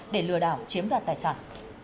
để lừa đảo chiếm đoạt tài sản